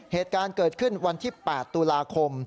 เหตุการณ์เกิดขึ้นวันที่๘ตุลาคม